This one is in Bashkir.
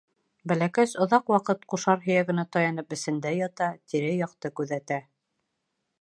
Бәләкәс оҙаҡ ваҡыт ҡушар һөйәгенә таянып эсендә ята, тирә-яҡты күҙәтә.